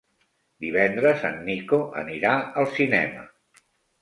Divendres en Nico anirà al cinema.